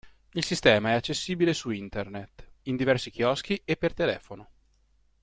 Il sistema è accessibile su internet, in diversi chioschi e per telefono.